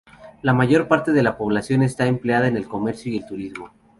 La mayor parte de la población está empleada en el comercio y el turismo.